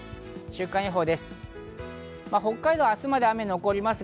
週間予報です。